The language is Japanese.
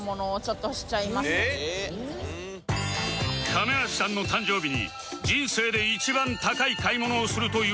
亀梨さんの誕生日に人生で一番高い買い物をするという田辺